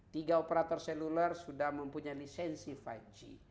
tiga operator seluler sudah mempunyai lisensi lima g